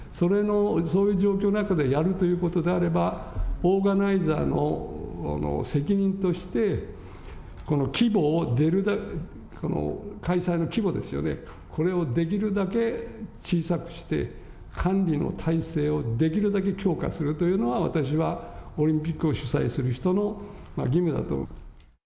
そういう状況の中でやるということであれば、オーガナイザーの責任として、この規模を、開催の規模ですよね、これをできるだけ小さくして、管理の体制をできるだけ強化するというのは、私は、オリンピックを主催する人の義務だと。